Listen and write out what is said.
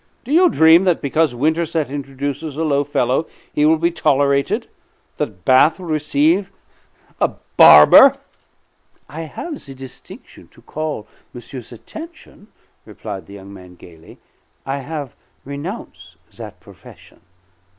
"Do you dream that' because Winterset introduces a low fellow he will be tolerated that Bath will receive a barber?" "I have the distinction to call monsieur's attention," replied the young man gayly, "I have renounce that profession."